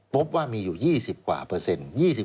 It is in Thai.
พบว่ามีอยู่๒๐กว่าเปอร์เซ็นต์